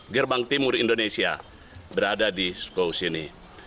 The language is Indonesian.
gerbang timur indonesia berada di school sini